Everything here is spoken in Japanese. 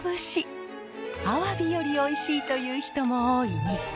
アワビよりおいしいという人も多い煮付け。